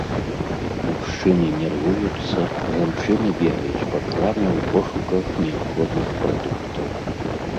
Мужчыны нервуюцца, жанчыны бегаюць па краме ў пошуках неабходных прадуктаў.